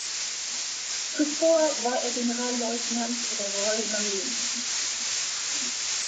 Zuvor war er Generalleutnant der Royal Marines.